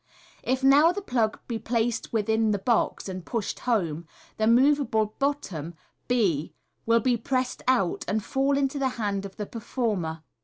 If now the plug be placed within MODERN MAGIC, 193 the box, and pushed home, the moveable bottom, hf will be pressed out, and fall into the hand of the performer.